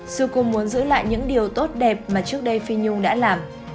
sư cô muốn giữ lại những điều tốt đẹp mà trước đây phi nhung đã làm